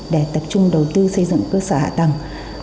để tập trung đầu tư xây dựng cơ sở hạ tầng